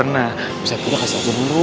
nah bisa gitu kasih aja dulu